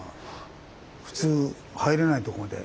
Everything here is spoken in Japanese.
普通入れないとこで。